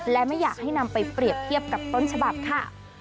และไม่อยากให้นำไปเปรียบเทียบกับต้นฉบับค่ะ